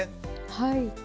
はい。